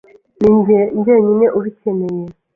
ni njye.jyenyine ubikeneye